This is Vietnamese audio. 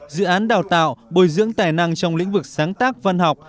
dự án đào tạo bồi dưỡng tài năng trong lĩnh vực sáng tác văn học